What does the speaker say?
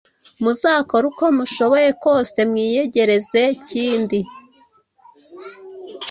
Muzakore uko mushoboye kose mwiyegereze Kindi,